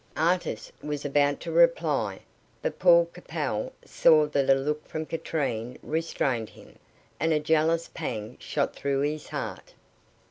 Artis was about to reply, but Paul Capel saw that a look from Katrine restrained him, and a jealous pang shot through his heart.